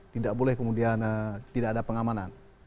tidak boleh kemudian tidak ada pengamanan